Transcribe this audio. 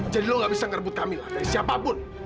jadi lo gak bisa ngerebut camilla dari siapapun